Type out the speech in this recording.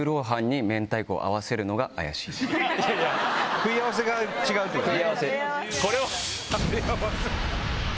食い合わせが違うってことね。